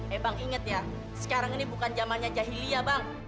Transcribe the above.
eh bang inget ya sekarang ini bukan jamalnya jahiliah bang